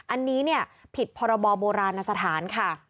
อันนี้ผิดพรบโบราณสถานค่ะ